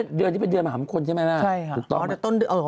ก็เป็นเดือนที่เป็นเดือนมหาวันคนใช่ไหมครับถูกต้อง